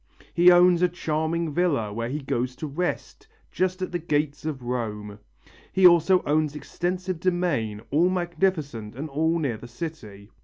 He owns a charming villa, where he goes to rest, just at the gates of Rome. He also owns extensive domains, all magnificent and all near the city.